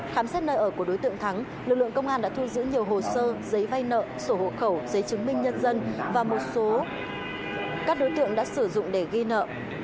khám xét nơi ở của đối tượng thắng lực lượng công an đã thu giữ nhiều hồ sơ giấy vay nợ sổ hộ khẩu giấy chứng minh nhân dân và một số các đối tượng đã sử dụng để ghi nợ